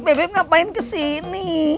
bebek ngapain kesini